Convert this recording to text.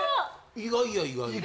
意外や意外。